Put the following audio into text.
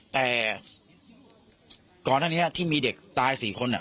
แต่ก่อนหน้านี้ที่มีเด็กตาย๔คน